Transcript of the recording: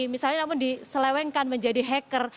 misalnya namun diselewengkan menjadi hacker